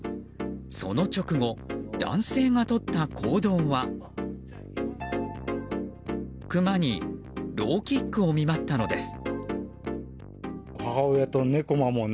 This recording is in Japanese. その直後、男性がとった行動はクマにローキックを見舞ったのです。